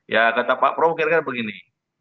ya kata pak prabowo kira kira begini